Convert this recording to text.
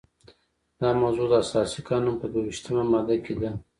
دا موضوع د اساسي قانون په دوه ویشتمه ماده کې ده.